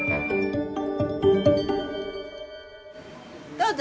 どうぞ！